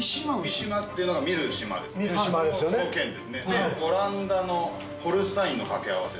その「見」ですねでオランダのホルスタインの掛け合わせ。